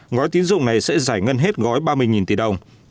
ngói tiến dụng này sẽ giải ngân hết gói ba mươi tỷ đồng